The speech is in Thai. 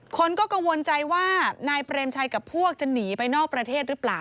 คนก็กังวลใจว่านายเปรมชัยกับพวกจะหนีไปนอกประเทศหรือเปล่า